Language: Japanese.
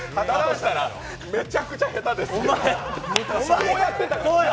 めちゃくちゃ下手ですね。